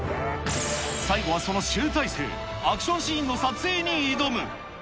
最後はその集大成、アクションシーンの撮影に挑む。